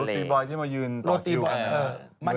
ล้อตี้บอยที่มายืนต่อคริว